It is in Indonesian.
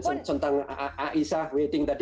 dan tentang a'a isha wedding tadi